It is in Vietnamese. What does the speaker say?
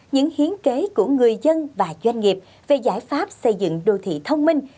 những hiến kế của người dân và doanh nghiệp về giải pháp xây dựng đô thị thông minh